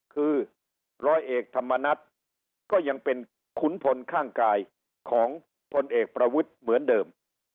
คือร้อยเอกธรรมนัฏก็ยังเป็นขุนพลข้างกายของพลเอกประวิทย์เหมือนเดิม